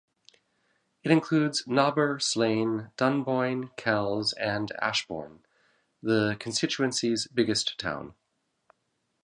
It includes Nobber, Slane, Dunboyne, Kells and Ashbourne, the constituency's biggest town.